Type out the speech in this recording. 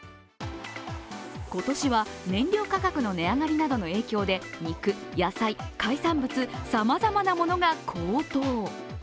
今年は燃料価格の値上がりなどの影響で、肉、野菜、海産物などさまざまなものが高騰。